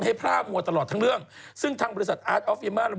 สี่แสนจาด